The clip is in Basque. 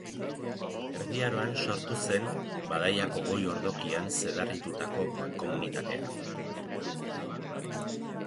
Erdi Aroan sortu zen Badaiako goi-ordokian zedarritutako mankomunitatea.